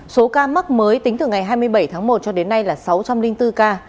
số ca mắc mới tính từ ngày hai mươi bảy tháng một cho đến nay là sáu trăm linh bốn ca